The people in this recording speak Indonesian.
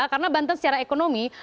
karena banten secara ekonomi